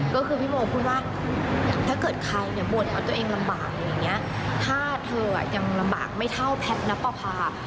ก็คือพี่โมพูดว่าถ้าเกิดใครเนี่ยบ่นว่าตัวเองลำบากอะไรอย่างนี้ถ้าเธอยังลำบากไม่เท่าแพทย์นับประพา